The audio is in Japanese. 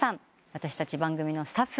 私たち番組のスタッフ。